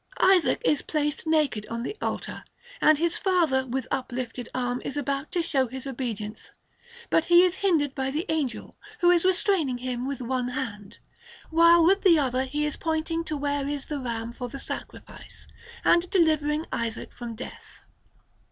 Isaac is placed naked on the altar, and his father, with uplifted arm, is about to show his obedience, but he is hindered by the Angel, who is restraining him with one hand, while with the other he is pointing to where is the ram for the sacrifice, and delivering Isaac from death.